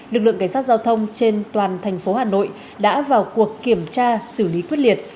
lực lượng cảnh sát giao thông trên toàn thành phố hà nội đã vào cuộc kiểm tra xử lý quyết liệt